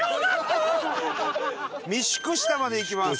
御宿下まで行きます。